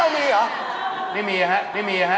ไม่มีไม่มี